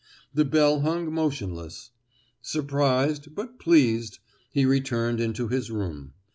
The bell hung motionless. Surprised, but pleased, he returned into his room.